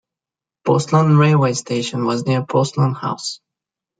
Postland railway station was near Postland House.